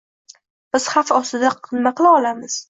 Biz xavf ostida nima qila olamiz?